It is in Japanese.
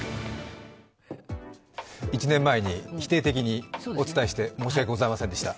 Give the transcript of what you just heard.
１年前に否定的にお伝えして申し訳ございませんでした。